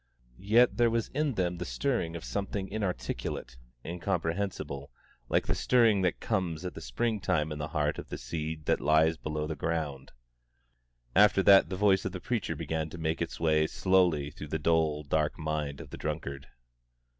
Yet there was in them the stirring of something inarticulate, incomprehensible, like the stirring that comes at spring time in the heart of the seed that lies below the ground. After that the voice of the preacher began to make its way slowly through the dull, dark mind of the drunkard.